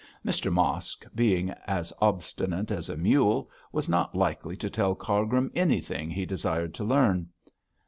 Mr Mosk, being as obstinate as a mule, was not likely to tell Cargrim anything he desired to learn.